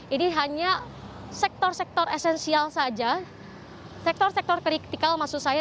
ini hanya sektor sektor esensial saja sektor sektor kritikal maksud saya